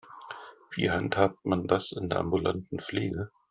Wie handhabt man das in der ambulanten Pflege?